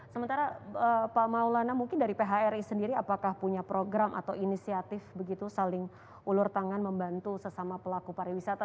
sementara pak maulana mungkin dari phri sendiri apakah punya program atau inisiatif begitu saling ulur tangan membantu sesama pelaku pariwisata